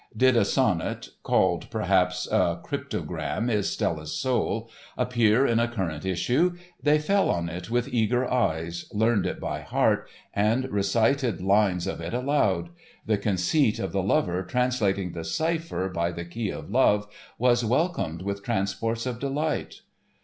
Did a sonnet called, perhaps, "A Cryptogram is Stella's Soul" appear in a current issue, they fell on it with eager eyes, learned it by heart and recited lines of it aloud; the conceit of the lover translating the cipher by the key of love was welcomed with transports of delight.